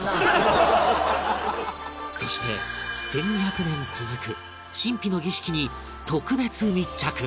そして１２００年続く神秘の儀式に特別密着